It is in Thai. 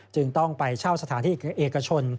จึงต้องไปเช่าสถานที่เอกชน